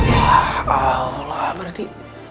ya allah berarti